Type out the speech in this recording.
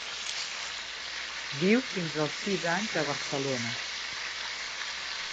Viu fins als sis anys a Barcelona.